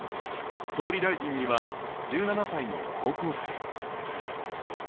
総理大臣には１７才の高校生。